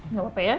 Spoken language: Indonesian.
gak apa apa ya